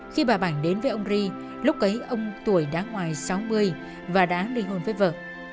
khi bà bảnh đến với ông ri lúc ấy ông tuổi đã ngoài sáu mươi và đã ly hôn với vợ